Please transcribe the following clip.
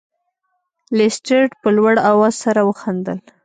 لیسټرډ په لوړ اواز سره وخندل.